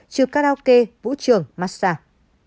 trừ karaoke vũ trường massage